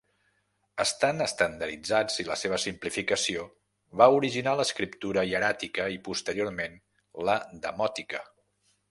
Estan estandarditzats i la seva simplificació va originar l'escriptura hieràtica i posteriorment la demòtica.